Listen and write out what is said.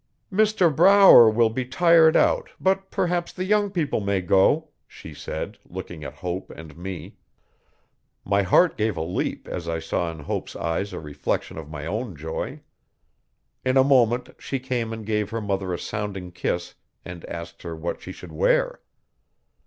'Mr Brower will be tired out, but perhaps the young people may go,' she said, looking at Hope and me. My heart gave a leap as I saw in Hope's eyes a reflection of my own joy. In a moment she came and gave her mother a sounding kiss and asked her what she should wear.